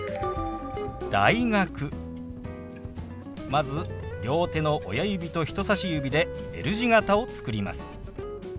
まず両手の親指と人さし指でＬ字形を作ります。